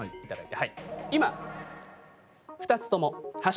はい。